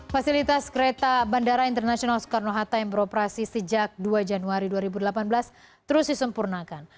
fasilitas kereta bandara internasional soekarno hatta yang beroperasi sejak dua januari dua ribu delapan belas terus disempurnakan